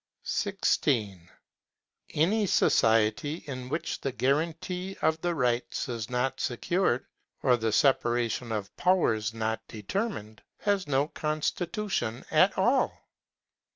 Ccnstitution of 1791 61 16. Any society in which the guarantee of the rights is not secured, or the separation of powers not determined, has no constitution at all.